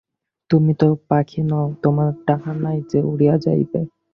তুমি তো পাখি নও, তোমার ডানা নাই যে উড়িয়া যাইবে।